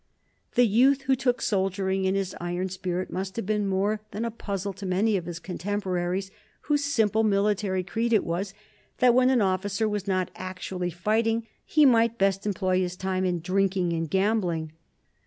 The youth who took soldiering in this iron spirit must have been more than a puzzle to many of his contemporaries, whose simple military creed it was that when an officer was not actually fighting he might best employ his time in drinking and gambling.